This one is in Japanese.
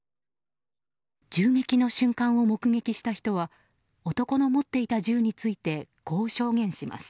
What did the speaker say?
銃撃の瞬間を目撃した人は男の持っていた銃についてこう証言します。